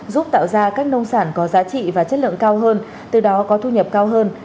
giúp tạo ra các nông sản có giá trị và chất lượng cao hơn từ đó có thu nhập cao hơn